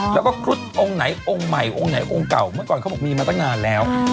แล้วก็ครุฑองค์ไหนองค์ใหม่องค์ไหนองค์เก่าเมื่อก่อนเขาบอกมีมาตั้งนานแล้ว